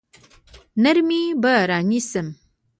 نرمي به رانیسم.